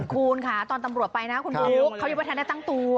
คุณค่ะตอนตำรวจไปนะคุณบุ๊คเขายังไม่ทันได้ตั้งตัว